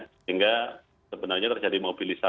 sehingga sebenarnya terjadi mobil